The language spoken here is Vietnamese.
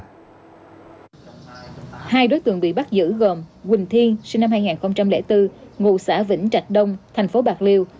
hai đối tượng bị bắt giữ gồm quỳnh thiên sinh năm hai nghìn bốn ngụ xã vĩnh trạch đông thành phố bạc liêu